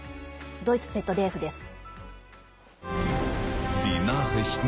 ドイツＺＤＦです。